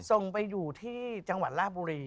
ส่งไปอยู่ที่จังหวัดลาบุรี